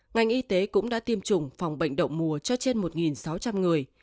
ngành y tế cũng đã tiêm chủng phòng bệnh đậu mùa cho trên một sáu trăm linh người